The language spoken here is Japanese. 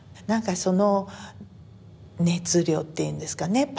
なんかその熱量っていうんですかね